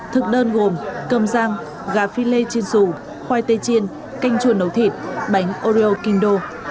thức đơn gồm cơm rang gà philet chiên xù khoai tây chiên canh chuồn nấu thịt bánh oreo kingdô